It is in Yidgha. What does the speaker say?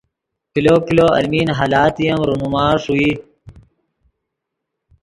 کلو کلو المین حالاتے ام رونما ݰوئی